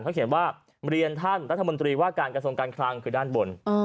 เขาเขียนว่าเรียนท่านรัฐมนตรีว่าการกระทรวงการคลังคือด้านบน